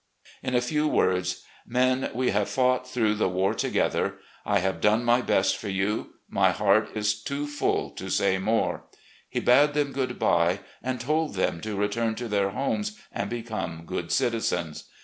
In a few words: "Men, we have fought through the war together ; I have done my best for you ; my heart is too full to say more," he bade them good bye and told them to return to their homes and become good citizens.